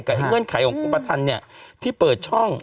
กับเงื่อนไขของคุณประทันที่เปิดช่อง